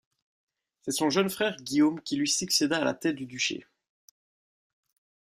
C'est son jeune frère Guillaume qui lui succéda à la tête du duché.